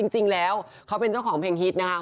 จริงแล้วเขาเป็นเจ้าของเพลงฮิตนะคะ